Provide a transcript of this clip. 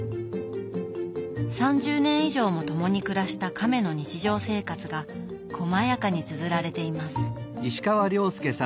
３０年以上も共に暮らしたカメの日常生活が細やかにつづられています。